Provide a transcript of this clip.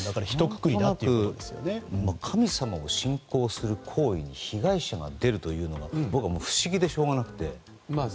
神様を信仰する行為に被害者が出るというのは僕は不思議でしょうがなくて。